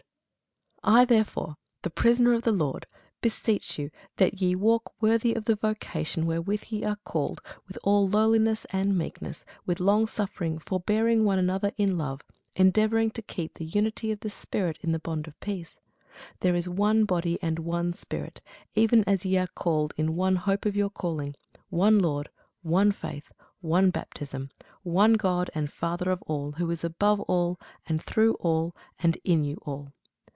[Sidenote: Ephesians 1] I therefore, the prisoner of the Lord, beseech you that ye walk worthy of the vocation wherewith ye are called, with all lowliness and meekness, with longsuffering, forbearing one another in love; endeavouring to keep the unity of the Spirit in the bond of peace. There is one body, and one Spirit, even as ye are called in one hope of your calling; one Lord, one faith, one baptism, one God and Father of all, who is above all, and through all, and in you all.